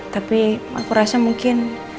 tapi aku rasa mungkin